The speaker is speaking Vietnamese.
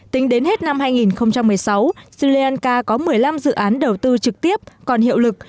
tính đến hết năm hai nghìn một mươi sáu sri lanka có một mươi năm dự án đầu tư trực tiếp còn hiệu lực